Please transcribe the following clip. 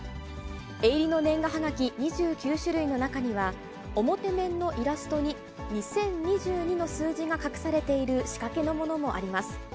絵入りの年賀はがき２９種類の中には、表面のイラストに２０２２の数字が隠されている仕掛けのものもあります。